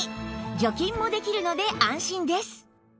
除菌もできるので安心です